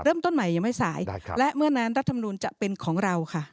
เริ่มต้นใหม่ยังไม่สายและเมื่อนั้นรัฐมนูลจะเป็นของเราค่ะ